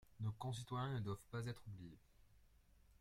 Nos concitoyens ne doivent pas être oubliés.